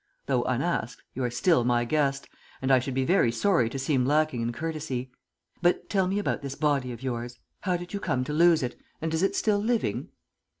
Though unasked, you are still my guest, and I should be very sorry to seem lacking in courtesy. But tell me about this body of yours. How did you come to lose it, and is it still living?"